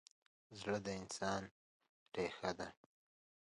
زړه د انسان ریښه ده.